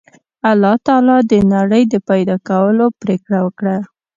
الله تعالی د نړۍ د پیدا کولو پرېکړه وکړه